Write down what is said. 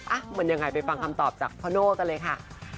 อ่ะมันยังไงไปฟังคำตอบจากพ่อโน่กันเลยค่ะ